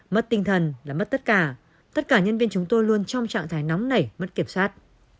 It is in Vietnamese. mất tinh thần là mất tất cả tất cả nhân viên chúng tôi luôn trong trạng thái nóng nảy mất kiểm soát